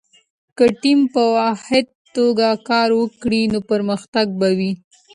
که ټیم په واحده توګه کار وکړي، نو پرمختګ به وي.